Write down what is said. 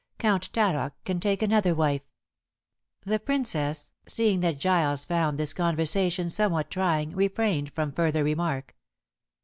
"Count Taroc can take another wife." The Princess, seeing that Giles found this conversation somewhat trying, refrained from further remark.